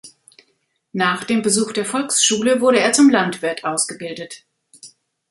Nach dem Besuch der Volksschule wurde er zum Landwirt ausgebildet.